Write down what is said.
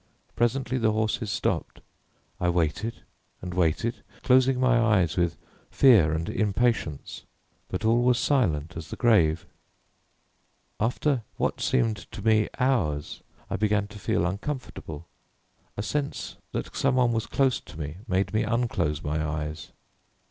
Presently the horses stopped. I waited and waited, closing my eyes with ear and impatience, but all was silent as the grave. After what seemed to me hours, I began to feel uncomfortable. A sense that somebody was close to me made me unclose my eyes.